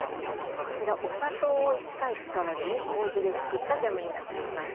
こちらお砂糖を一切使わずに麹で作ったジャムになっています